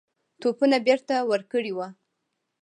توپونه بیرته ورکړي وه.